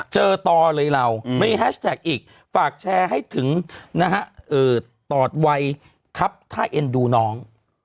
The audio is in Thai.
เจอต่อเลยเรามีแฮชแท็กอีกฝากแชร์ให้ถึงนะฮะตอดวัยครับถ้าเอ็นดูน้อง